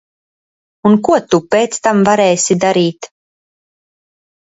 Un ko tu pēc tam varēsi darīt?